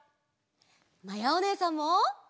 まやおねえさんも！